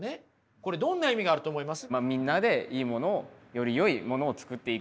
これどんな意味があると思います？